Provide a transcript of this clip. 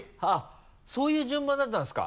そういう順番だったんですか？